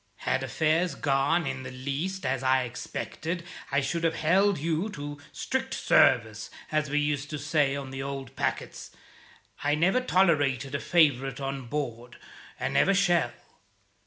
Had affairs gone in the least as I expected, I should have held you to 'strict service,' as we used to say on the old packets. I never tolerated a favourite on board, and never shall.